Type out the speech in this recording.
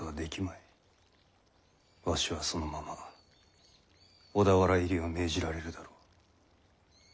わしはそのまま小田原入りを命じられるだろう。